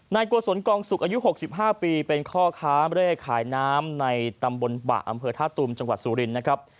นายกวสลกองสุกอายุหกสิบห้าปีเป็นข้อค้าไม่ได้ขายน้ำในตำบลปะอำเภอธาตุมจังหวัดสูรินนะครับ